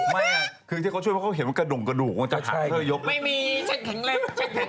ไม่ได้เอาไหมอีเหลว